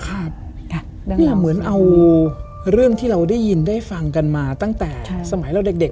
เหมือนเอาเรื่องที่เราได้ยินได้ฟังกันมาตั้งแต่สมัยเราเด็ก